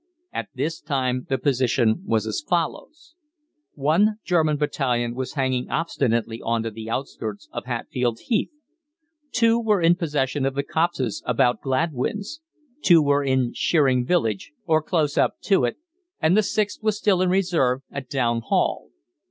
At this time the position was as follows: One German battalion was hanging obstinately on to the outskirts of Hatfield Heath; two were in possession of the copses about Gladwyns; two were in Sheering village, or close up to it, and the sixth was still in reserve at Down Hall.